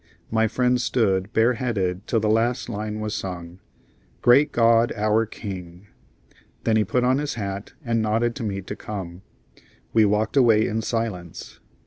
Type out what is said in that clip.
My friend stood bareheaded till the last line was sung: "Great God, our King!" then he put on his hat and nodded to me to come. We walked away in silence.